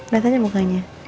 liat aja mukanya